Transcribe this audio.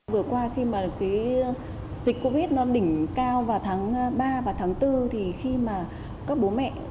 vừa qua khi mà cái dịch covid nó đỉnh cao vào tháng ba và tháng bốn thì khi mà các bố mẹ không có thể tìm hiểu